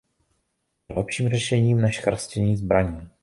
Je lepším řešením než chrastění zbraní.